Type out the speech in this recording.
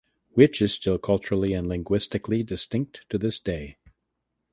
Which is still culturally and linguistically distinct to this day.